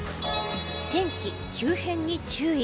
天気急変に注意。